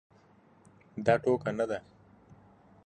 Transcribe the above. دا ټوکه نه ده.